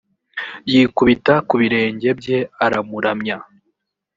yikubita ku birenge bye aramuramya